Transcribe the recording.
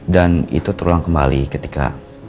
dan itu terulang kembali ketika